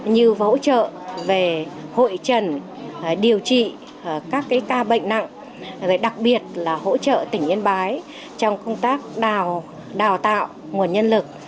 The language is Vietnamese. như hỗ trợ về hội trần điều trị các ca bệnh nặng đặc biệt là hỗ trợ tỉnh yên bái trong công tác đào tạo nguồn nhân lực